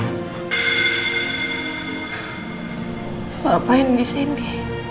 lo ngapain disini